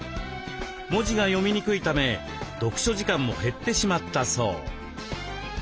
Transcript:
文字が読みにくいため読書時間も減ってしまったそう。